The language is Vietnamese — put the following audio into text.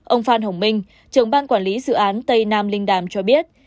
ông phan hồng minh trưởng ban quản lý dự án tây nam linh đàm cho biết